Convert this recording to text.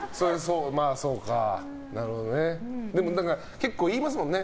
結構、言いますもんね。